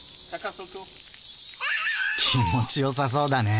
気持ちよさそうだね。